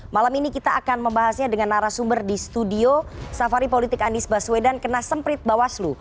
malam ini kita akan membahasnya dengan narasumber di studio safari politik anies baswedan kena semprit bawaslu